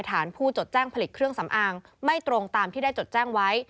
ฐานผู้จดแจ้งผลิตเครื่องสำอางไม่ตรงตามที่ได้จดแจ้งไว้